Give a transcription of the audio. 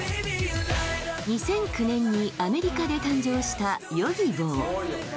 ２００９年にアメリカで誕生したＹｏｇｉｂｏ